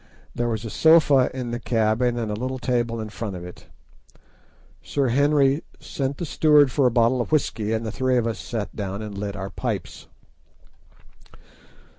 There was a sofa in the cabin, and a little table in front of it. Sir Henry sent the steward for a bottle of whisky, and the three of us sat down and lit our pipes.